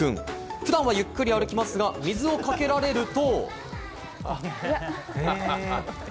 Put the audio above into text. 普段はゆっくり歩きますが、水をかけられると。